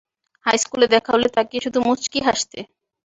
হাইস্কুলে দেখা হলে তাকিয়ে শুধু মুচকি হাসতে!